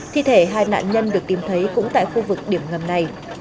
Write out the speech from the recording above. thi thể hai nạn nhân được tìm thấy cũng tại khu vực điểm ngầm này